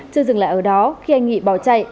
chưa dừng lại ở đó khi anh nghị bỏ chạy